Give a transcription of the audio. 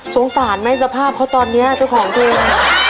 สงสารไหมสภาพเขาตอนนี้เจ้าของเพลง